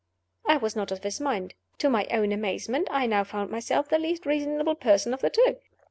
I was not of his mind. To my own amazement, I now found myself the least reasonable person of the two!